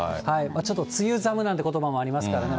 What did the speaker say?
ちょっと梅雨寒なんてことばもありますからね。